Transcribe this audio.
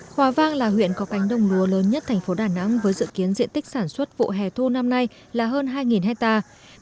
hòa vang là huyện có cánh đông lúa lớn nhất thành phố đà nẵng với dự kiến diện tích sản xuất vụ hè thu năm nay là hơn hai hectare